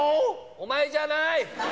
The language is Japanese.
お前じゃない！